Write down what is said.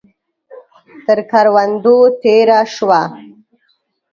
تر کروندو تېره شوه.